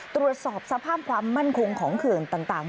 ตรวจสอบสภาพความมั่นคงของเขื่อนต่าง